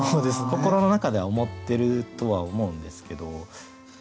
心の中では思ってるとは思うんですけど。